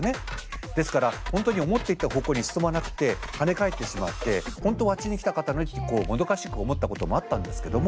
ですから本当に思っていた方向に進まなくて跳ね返ってしまって本当はあっちに行きたかったのにってこうもどかしく思ったこともあったんですけども。